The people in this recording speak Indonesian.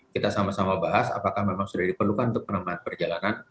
kita sama sama bahas apakah memang sudah diperlukan untuk penambahan perjalanan